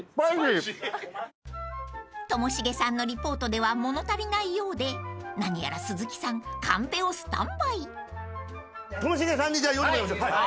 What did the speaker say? ［ともしげさんのリポートでは物足りないようで何やら鈴木さんカンペをスタンバイ］ともしげさんに読んでもらいましょう。